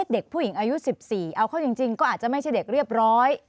เด็กผู้หญิงอายุ๑๔เอาเข้าจริงก็อาจจะไม่ใช่เด็กเรียบร้อย